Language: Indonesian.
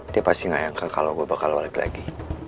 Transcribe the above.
dia pasti gak nyangka kalau gue bakal balik lagi